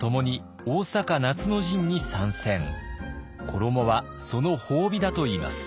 衣はその褒美だといいます。